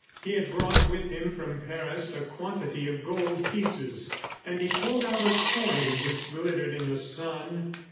He had brought with him from Paris a quantity of gold pieces, and he pulled out a coin which glittered in the sun.